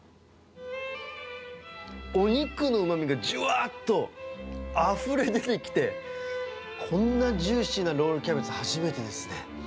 お肉のうまみがじゅわっとあふれ出てきて、こんなジューシーなロールキャベツ初めてですね。